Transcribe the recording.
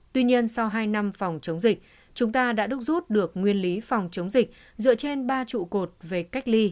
tuy nhiên sau hai năm phòng chống dịch chúng ta đã đúc rút được nguyên lý phòng chống dịch dựa trên ba trụ cột về cách ly